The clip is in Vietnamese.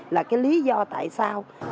là cái lý do tại sao